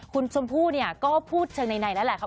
คุณสมภูมิก็พูดเชิงในนั่นแหละค่ะ